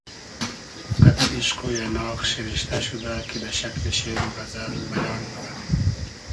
قئد ایشق و اېناغ شیرختۂ شودۂ کی دۂ شئکلی شېر و غئزئل بیان مونۂ